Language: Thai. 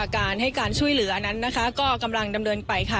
การให้การช่วยเหลือนั้นนะคะก็กำลังดำเนินไปค่ะ